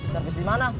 servis di mana